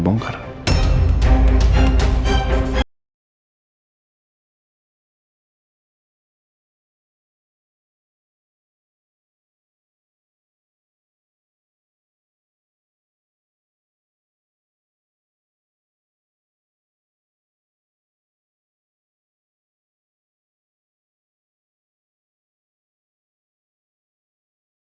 jangan stres ya pak